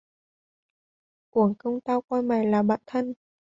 Uổng công tao coi Mày là bạn thân